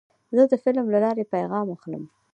زه د فلم له لارې پیغام اخلم.